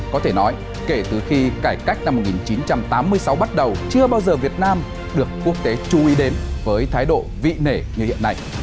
có thể nói kể từ khi cải cách năm một nghìn chín trăm tám mươi sáu bắt đầu chưa bao giờ việt nam được quốc tế chú ý đến với thái độ vị nể như hiện nay